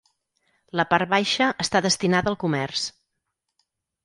La part baixa està destinada al comerç.